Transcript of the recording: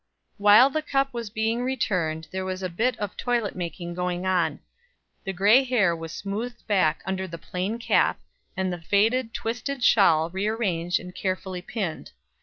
While the cup was being returned there was a bit of toilet making going on; the gray hair was smoothed back under the plain cap, and the faded, twisted shawl rearranged and carefully pinned.